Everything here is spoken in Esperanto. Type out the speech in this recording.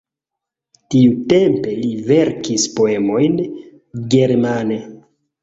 Tiutempe li verkis poemojn germane.